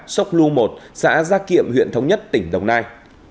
sốc lu một xã gia kiệm huyện thống nhất tỉnh đồng nai